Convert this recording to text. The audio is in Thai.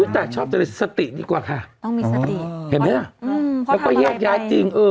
แต่ชอบแต่เลยสติดีกว่าค่ะต้องมีสติเห็นไหมล่ะแล้วก็แยกย้ายจริงเออ